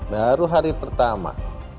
baru hari pertama